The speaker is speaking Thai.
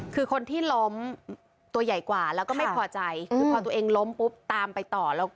คือคนที่ล้มตัวใหญ่กว่าแล้วก็ไม่พอใจคือพอตัวเองล้มปุ๊บตามไปต่อแล้ว